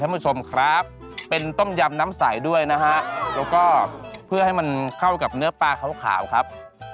ท่านผู้ชมครับเป็นต้มยำน้ำใสด้วยนะฮะแล้วก็เพื่อให้มันเข้ากับเนื้อปลาขาวครับ